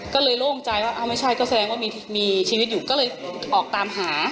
ก็เลยโล่งใจว่าไม่ใช่ก็แสดงว่ามีชีวิตอยู่ก็เลยออกตามหา